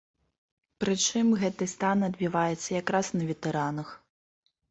Прычым, гэты стан адбіваецца якраз на ветэранах.